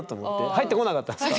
入ってこなかったっすか？